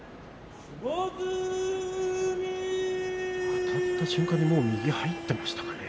あたった瞬間に右が入っていましたね。